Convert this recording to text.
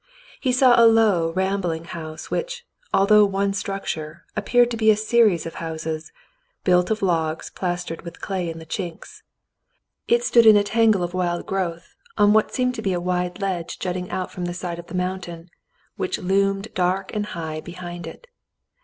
He saw a low, rambling house, which, although one struc ture, appeared to be a series of houses, built of logs plas tered with clay in the chinks. It stood in a tangle of wild 10 The Mountain People 1 1 growth, on what seemed to be a wide ledge jutting out from the side of the mountain, which loomed dark and high behind it.